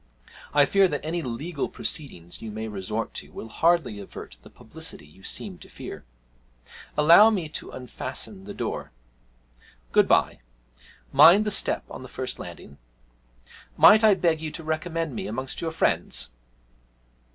'I fear that any legal proceedings you may resort to will hardly avert the publicity you seem to fear. Allow me to unfasten the door. Good bye; mind the step on the first landing. Might I beg you to recommend me amongst your friends?'